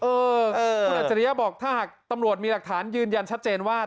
เออคุณอัจฉริยะบอกถ้าหากตำรวจมีหลักฐานยืนยันชัดเจนว่า